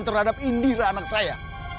terhadap indira anak saya